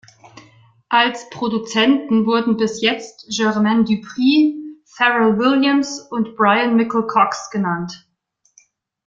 Als Produzenten wurden bis jetzt Jermaine Dupri, Pharrell Williams und Bryan Michael Cox genannt.